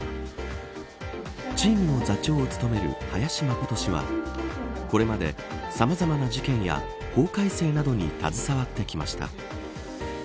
チームの座長を務める林眞琴氏はこれまで、さまざまな事件や法改正などに携わってきました。